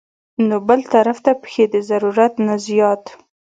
نو بل طرف ته پکښې د ضرورت نه زيات